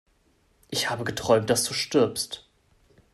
Ich habe geträumt, dass du stirbst